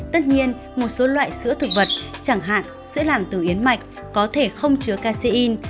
tất nhiên một số loại sữa thực vật chẳng hạn sữa làm từ yến mạch có thể không chứa cacin